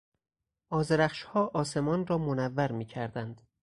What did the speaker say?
آذرخشها آسمان را منور میکردند.